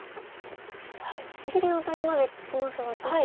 １線アタリまできますが。